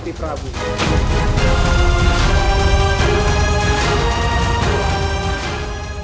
sendika agusti prabu